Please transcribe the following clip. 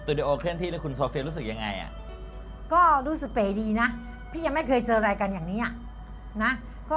ไม่เหมือนที่เมืองแบบเกงน้อยไทยมีว่าแบบเกงน้อยเลย